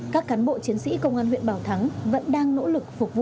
các cán bộ chiến sĩ công an huyện bảo thắng vẫn đang nỗ lực phục vụ